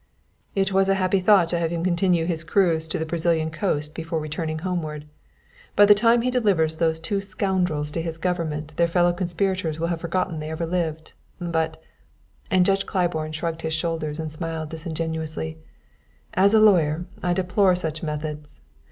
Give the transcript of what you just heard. "It was a happy thought to have him continue his cruise to the Brazilian coast before returning homeward. By the time he delivers those two scoundrels to his government their fellow conspirators will have forgotten they ever lived. But" and Judge Claiborne shrugged his shoulders and smiled disingenuously "as a lawyer I deplore such methods.